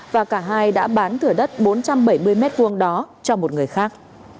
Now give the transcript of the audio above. và cả hai đã bán thửa đất bốn trăm bảy mươi m hai đó cho một người khác